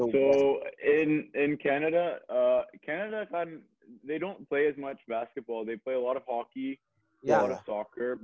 jadi di canada di canada kan mereka ga banyak main basketball mereka main banyak hockey banyak soccer